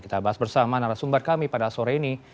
kita bahas bersama narasumber kami pada sore ini